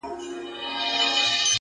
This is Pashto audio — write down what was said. صبر د بریا د پخېدو وخت ساتي.